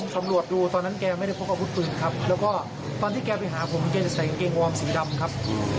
สวัสดีครับ